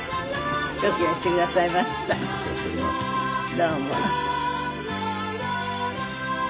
どうも。